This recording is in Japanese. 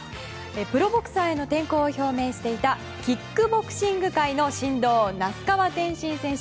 プロボクサーへの転向を表明していたキックボクシング界の神童那須川天心選手。